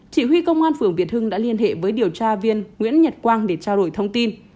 chỉ huy công an phường việt hưng đã liên hệ với điều tra viên nguyễn nhật quang để trao đổi thông tin